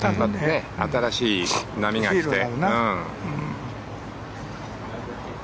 新しい波が来て。